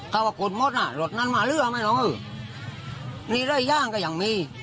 ถ้าว่ากพ่อคุณหมดน่ะรถนั้นหมาเรื่องไม่น้องอุ่นนี่ได้ย่างก็ยังมี